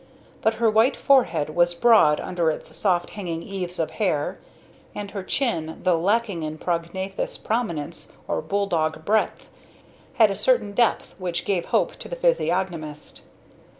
But her white forehead was broad under its soft hanging eaves of hair, and her chin, though lacking in prognathous prominence or bull dog breadth, had a certain depth which gave hope to the physiognomist.